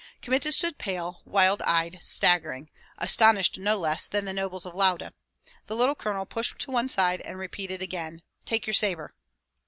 Kmita stood pale, wild eyed, staggering, astonished no less than the nobles of Lauda; the little colonel pushed to one side, and repeated again, "Take your sabre!"